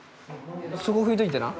そこ拭いといてな。